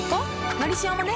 「のりしお」もね